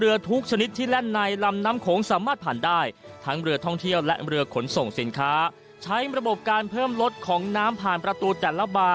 เรือทุกชนิดที่แล่นในลำน้ำโขงสามารถผ่านได้